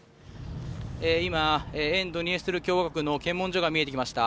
今、沿ドニエストル共和国の検問所が見えてきました。